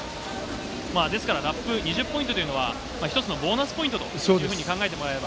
ですから、ラップ２０ポイントというのは、一つのボーナスポイントというふうに考えてもらえれば。